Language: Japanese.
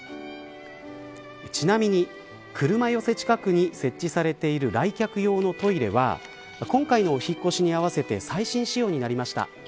ちなみに、車寄せ近くに設置されている来客用のトイレは今回のお引っ越しに合わせて最新仕様になりました。